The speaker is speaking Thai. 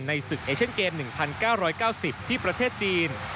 ศึกเอเชียนเกม๑๙๙๐ที่ประเทศจีน